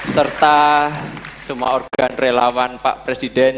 serta semua organ relawan pak presiden